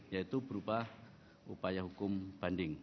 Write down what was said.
yaitu berupa upaya hukum banding